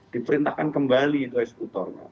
diperintahkan kembali itu eskutornya